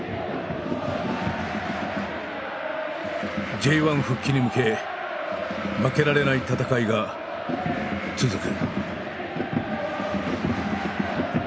Ｊ１復帰に向け負けられない戦いが続く。